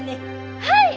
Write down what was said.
はい！